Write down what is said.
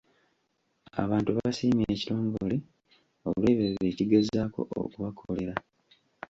Abantu basiimye ekitongole olw'ebyo bye kigezaako okubakolera.